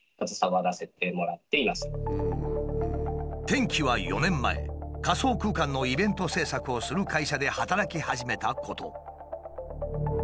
転機は４年前仮想空間のイベント制作をする会社で働き始めたこと。